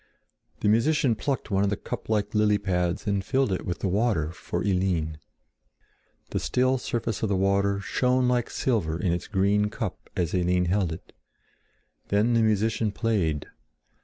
The musician plucked one of the cup like lily pads and filled it with the water for Eline. The still surface of the water shone like silver in its green cup as Eline held it. Then the musician played.